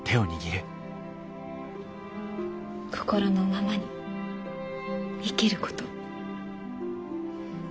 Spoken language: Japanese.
心のままに生きること。